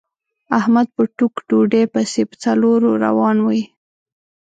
احمد په ټوک ډوډۍ پسې په څلور روان وي.